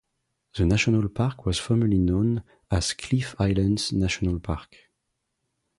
The national park was formerly known as Cliff Islands National Park.